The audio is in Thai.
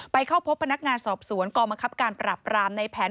เข้าพบพนักงานสอบสวนกองบังคับการปราบรามในแผน